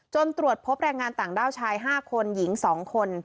ตรวจพบแรงงานต่างด้าวชาย๕คนหญิง๒คน